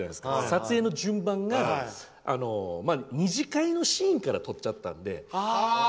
撮影の順番が二次会のシーンから撮っちゃったので。